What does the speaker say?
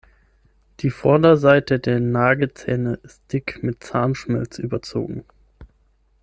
Die Vorderseite der Nagezähne ist dick mit Zahnschmelz überzogen.